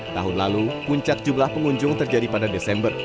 tahun lalu puncak jumlah pengunjung terjadi pada desember